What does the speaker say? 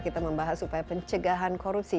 kita membahas upaya pencegahan korupsi